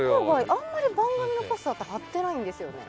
あんまり番組のポスターって貼ってないんですよね。